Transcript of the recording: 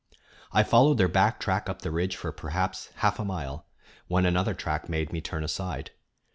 I followed their back track up the ridge for perhaps half a mile, when another track made me turn aside.